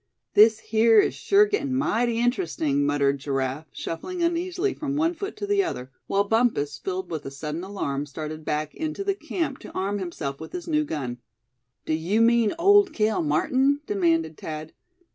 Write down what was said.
this here is sure getting mighty interesting!" muttered Giraffe, shuffling uneasily from one foot to the other; while Bumpus, filled with a sudden alarm, started back into the camp, to arm himself with his new gun. "Do you mean Old Cale Martin?" demanded Thad.